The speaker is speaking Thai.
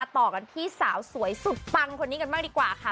ต่อกันที่สาวสวยสุดปังคนนี้กันบ้างดีกว่าค่ะ